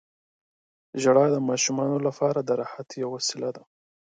• ژړا د ماشومانو لپاره د راحت یوه وسیله ده.